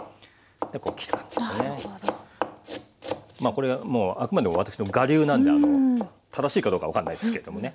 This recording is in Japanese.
これもうあくまでも私の我流なんで正しいかどうか分かんないですけどもね。